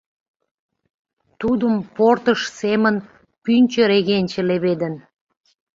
Тудым портыш семын пӱнчӧ регенче леведын.